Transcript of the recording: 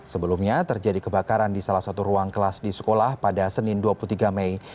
sebelumnya terjadi kebakaran di salah satu ruang kelas di sekolah pada senin dua puluh tiga mei